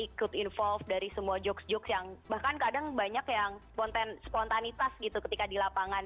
ikut involve dari semua jokes jokes yang bahkan kadang banyak yang spontanitas gitu ketika di lapangan